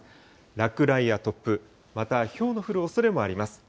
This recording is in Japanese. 落雷や突風、また、ひょうの降るおそれもあります。